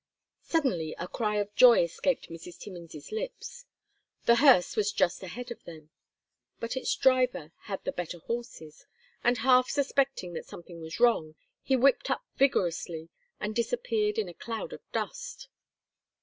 Suddenly a cry of joy escaped Mrs. Timmins's lips. The hearse was just ahead of them; but its driver had the better horses, and half suspecting that something was wrong, he whipped up vigorously and disappeared in a cloud of dust.